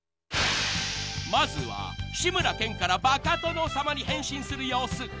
［まずは志村けんからバカ殿様に変身する様子］